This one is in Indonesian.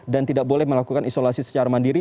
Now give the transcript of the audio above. dan tidak boleh melakukan isolasi secara mandiri